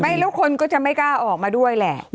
แล้วคนก็จะไม่กล้าออกมาด้วยแหละ